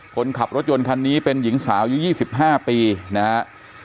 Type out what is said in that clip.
คนขับรถยนต์คันนี้เป็นหญิงสาวอายุ๒๕ปีนะครับ